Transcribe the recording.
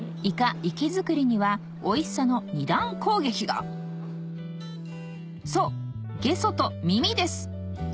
イカ活き造りにはおいしさの２段攻撃がそうゲソと耳です